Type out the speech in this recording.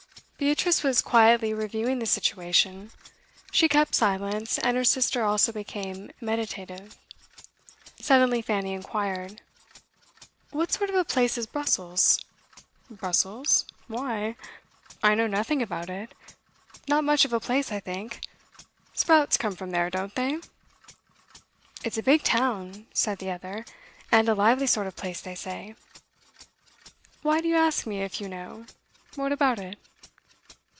Beatrice was quietly reviewing the situation. She kept silence, and her sister also became meditative. Suddenly Fanny inquired: 'What sort of a place is Brussels?' 'Brussels? Why? I know nothing about it. Not much of a place, I think; sprouts come from there, don't they?' 'It's a big town,' said the other, 'and a lively sort of place, they say. 'Why do you ask me, if you know? What about it?